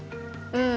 うん。